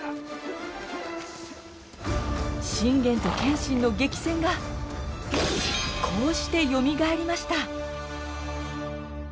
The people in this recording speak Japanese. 信玄と謙信の激戦がこうしてよみがえりました。